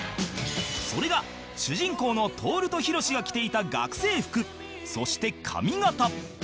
それが主人公のトオルとヒロシが着ていた学生服そして髪形